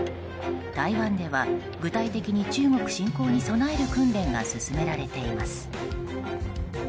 台湾では具体的に中国侵攻に備える訓練が進められています。